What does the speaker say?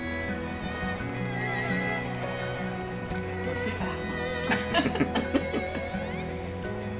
おいしいから。